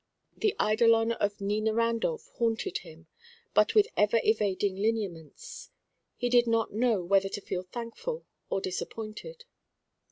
The eidolon of Nina Randolph haunted him, but with ever evading lineaments. He did not know whether to feel thankful or disappointed.